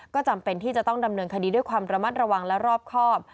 ก็จำเป็นที่จะต้องดำเนินคดีด้วยความระมัดระวังและรอบครอบ